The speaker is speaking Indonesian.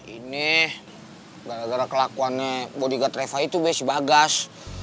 ini gara gara kelakuannya bodyguard reva itu be si bagas